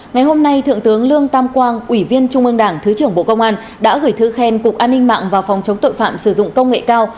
ngày hôm nay thượng tướng lương tam quang ủy viên trung ương đảng thứ trưởng bộ công an đã gửi thư khen cục an ninh mạng và phòng chống tội phạm sử dụng công nghệ cao